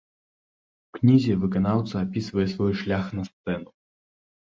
У кнізе выканаўца апісвае свой шлях на сцэну.